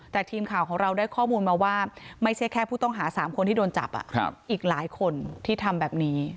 แต่ทีมข่าวของเราได้ข้อมูลมาว่าไม่ใช่แค่ผู้ต้องหา๓คนที่โดนจับอีกหลายคนที่ทำแบบนี้